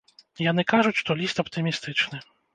Яны кажуць, што ліст аптымістычны.